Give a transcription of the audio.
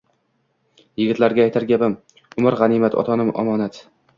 Yigitlarga aytar gapim: umr – g‘animat, ota-ona – omonat.